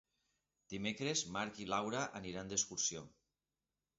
Dimecres en Marc i na Laura aniran d'excursió.